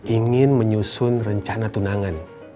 ingin menyusun rencana tunangan